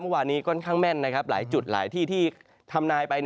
เมื่อวานนี้ค่อนข้างแม่นหลายจุดหลายที่ที่ทำนายไป